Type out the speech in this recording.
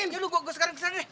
ya udah gue sekarang kesana deh